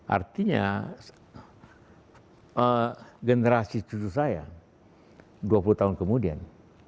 artinya generasi cucu saya dua puluh tahun kemudian